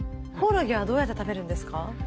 コオロギはどうやって食べるんですか？